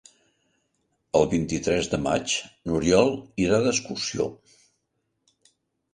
El vint-i-tres de maig n'Oriol irà d'excursió.